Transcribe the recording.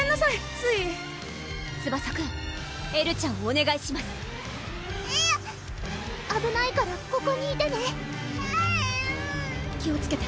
ついツバサくんエルちゃんをおねがいしますえる⁉あぶないからここにいてねえるぅ気をつけて！